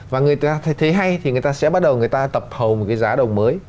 và người ta thấy hay thì người ta sẽ bắt đầu người ta tập hầu một cái giá đồng mới